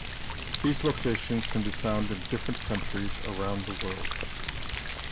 These locations can be found in different countries around the world.